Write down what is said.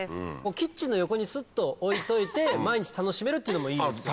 キッチンの横にスッと置いといて毎日楽しめるっていうのもいいですよね。